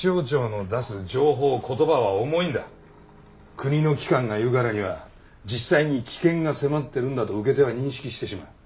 国の機関が言うからには実際に危険が迫ってるんだと受け手は認識してしまう。